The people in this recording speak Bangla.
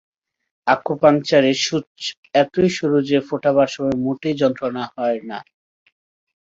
আকুপাঙ্কচারে সুচ এতই সরু যে ফোটাবার সময় মোটেই যন্ত্রণা হয় না।